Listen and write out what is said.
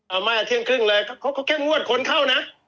อ้าวไม่อ่ะเที่ยงครึ่งเลยเขาแค่งวัดคนเข้านะ